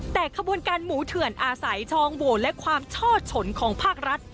แต่ขบวนการหมูเถื่อนอาศัยทองโหวตและความช่อฉนของภาครัฐ